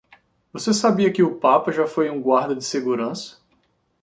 Você sabia que o papa já foi um guarda de segurança?